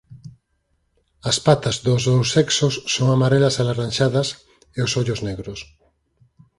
As patas dos dous sexos son amarelas alaranxadas e os ollos negros.